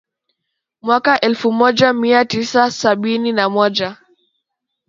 mwaka elfu moja mia tisa sabini na moja